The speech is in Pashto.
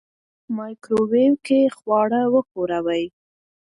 مایکروویو کې خواړه وښوروئ.